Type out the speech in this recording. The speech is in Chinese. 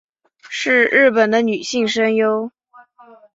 是日本的女性声优。